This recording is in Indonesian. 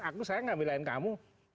aku saya gak milahin kamu